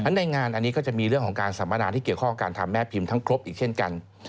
ในงานอันนี้ก็จะมีเรื่องของการสัมมนาที่เกี่ยวข้องการทำแม่พิมพ์ทั้งครบอีกเช่นกัน